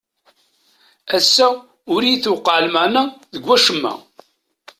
Ass-a ur iyi-tewqeɛ lmeɛna deg wacemma.